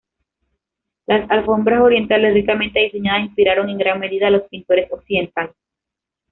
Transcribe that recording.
Las alfombras orientales ricamente diseñadas inspiraron en gran medida a los pintores occidentales.